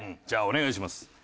じゃあお願いします。